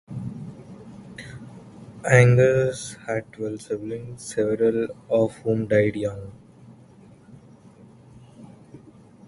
Angus had twelve siblings, several of whom died young.